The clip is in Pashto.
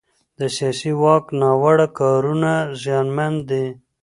د سیاسي واک ناوړه کارونه زیانمن دي